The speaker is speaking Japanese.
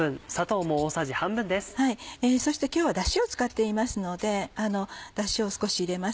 そして今日はダシを使っていますのでダシを少し入れます。